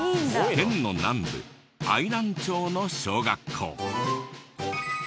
県の南部愛南町の小学校。